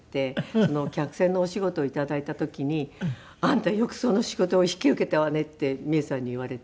その客船のお仕事を頂いた時に「あんたよくその仕事を引き受けたわね」ってミエさんに言われて。